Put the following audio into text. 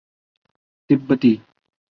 تبتی